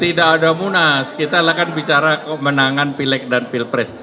tidak ada munas kita akan bicara kemenangan pilek dan pilpres